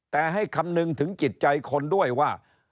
แต่ให้คำนึงถึงจิตใจคนด้วยว่า